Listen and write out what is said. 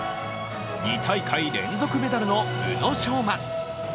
２大会連続メダルの宇野昌磨。